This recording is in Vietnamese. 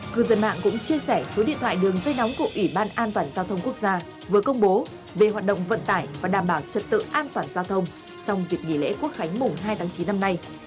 cư dân mạng cũng chia sẻ số điện thoại đường dây nóng của ủy ban an toàn giao thông quốc gia vừa công bố về hoạt động vận tải và đảm bảo trật tự an toàn giao thông trong dịp nghỉ lễ quốc khánh mùng hai tháng chín năm nay